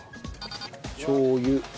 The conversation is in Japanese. しょう油。